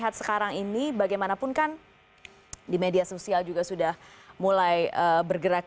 tapi bagaimanapun kan di media sosial juga sudah mulai bergerak